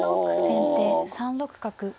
先手３六角。